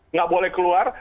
nggak boleh keluar